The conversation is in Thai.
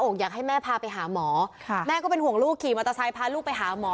ค่ะแม่ก็เป็นห่วงลูกขี่มอเตอร์ไซค์พาลูกไปหาหมอ